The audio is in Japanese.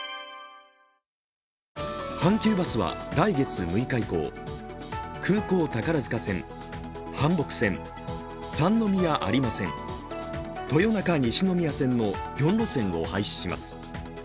阪急バスは来月６日以降、空港宝塚線、阪北線、三宮有馬線、豊中西宮線の４路線を廃止します。